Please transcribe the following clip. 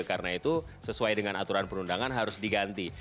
karena itu sesuai dengan aturan perundangan harus diganti